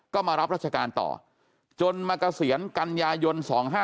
ก็มารับราชการต่อจนมาเกษียณกันยายน๒๕๖